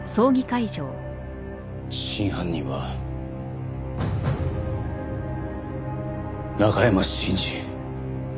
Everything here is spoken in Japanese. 真犯人は中山信二。